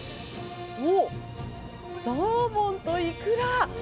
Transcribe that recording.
おっ、サーモンとイクラ。